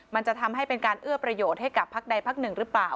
มันจะทำให้เป็นการเอื้อประโยชน์ให้กับพักใดพักหนึ่งหรือเปล่า